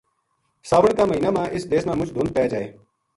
ساون کا مہینہ ما اس دیس ما مُچ دھُند پے جائے